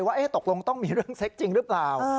ว่าตกลงต้องมีเรื่องเซ็กจริงหรือเปล่า